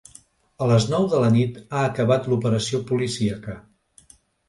A les nou de la nit ha acabat l’operació policíaca.